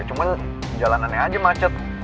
cuman jalanannya aja macet